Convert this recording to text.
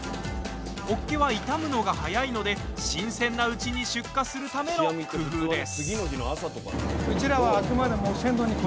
ほっけは傷むのが早いので新鮮なうちに出荷するための工夫です。